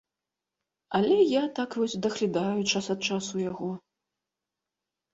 Але я так вось даглядаю час ад часу яго.